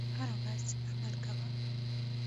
هره ورځ عمل کوه .